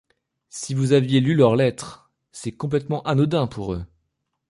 Si vous aviez lu leurs lettres… C’est complètement anodin pour eux.